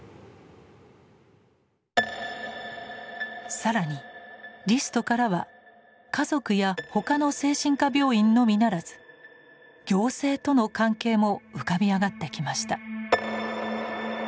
更にリストからは家族や他の精神科病院のみならず行政との関係も浮かび上がってきました。